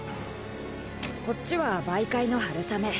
こっちは媒介の春雨。